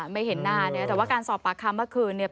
ไม่เห็นหน้าแต่การสอบปากคามเมื่อคืน